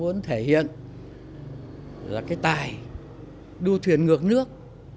cũng có thể là người ta muốn thể hiện là cái tài đua thuyền ngược nước